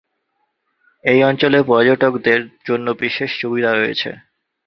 এই অঞ্চলে পর্যটকদের জন্য বিশেষ সুবিধা রয়েছে।